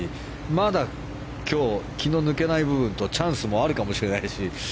まだ今日、気の抜けない部分とチャンスもあるかもしれないし。